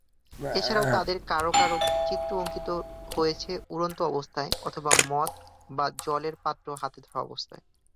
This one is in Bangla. এছাড়াও তাদের কারও কারও চিত্র অঙ্কিত হয়েছে উড়ন্ত অবস্থায় অথবা মদ বা জলের পাত্র হাতে ধরা অবস্থায়।